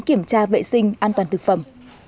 kiểm tra vệ sinh an toàn thực phẩm